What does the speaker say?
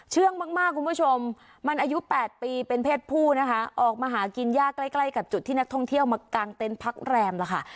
เชื่องมากคุณผู้ชมมันอายุ๘ปีเป็นเพศผู้นะคะออกมาหากินยากใกล้ใกล้กับจุดที่นักท่องเที่ยวมากางเต็นต์พักแรมล่ะค่ะ